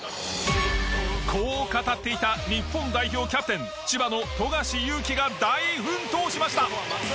こう語っていた日本代表キャプテン千葉の富樫勇樹が大奮闘しました。